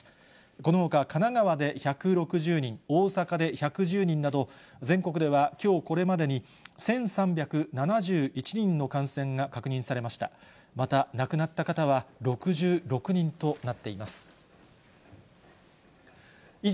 このほか神奈川で１６０人、大阪で１１０人など、全国ではきょうこれまでに１３７１人の感染が確認されまし以上、